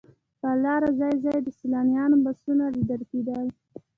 پر لاره ځای ځای د سیلانیانو بسونه لیدل کېدل.